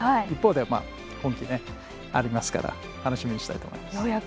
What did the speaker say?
一方で、今季ありますから楽しみにしたいと思います。